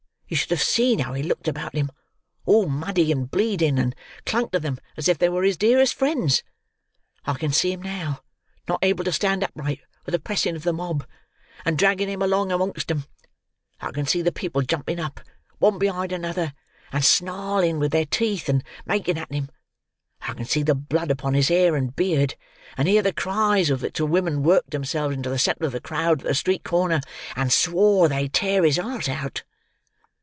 You should have seen how he looked about him, all muddy and bleeding, and clung to them as if they were his dearest friends. I can see 'em now, not able to stand upright with the pressing of the mob, and draggin him along amongst 'em; I can see the people jumping up, one behind another, and snarling with their teeth and making at him; I can see the blood upon his hair and beard, and hear the cries with which the women worked themselves into the centre of the crowd at the street corner, and swore they'd tear his heart out!"